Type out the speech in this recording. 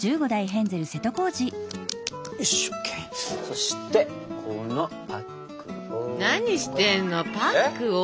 そしてこのパックを。